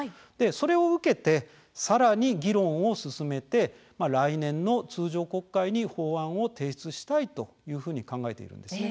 それを受けてさらに議論を進めて来年の通常国会に法律の法案を提出したいというふうに考えているんです。